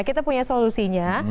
kita punya solusinya